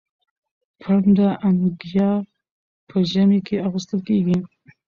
پنډه انګيا په ژمي کي اغوستل کيږي.